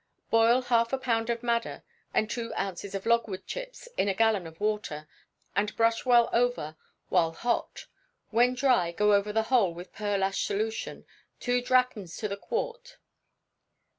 Boil half a pound of madder and two ounces of logwood chips in a gallon of water, and brush well over while hot; when dry, go over the whole with pearlash solution, two drachms to the quart.